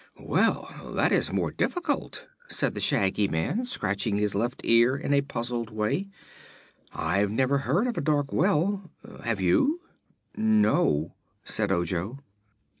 Well, that is more difficult," said the Shaggy Man, scratching his left ear in a puzzled way. "I've never heard of a dark well; have you?" "No," said Ojo.